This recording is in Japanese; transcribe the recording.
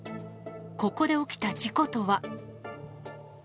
ここで起きた事故とは。